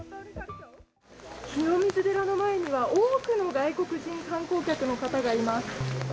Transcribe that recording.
清水寺の前には多くの外国人観光客の方がいます。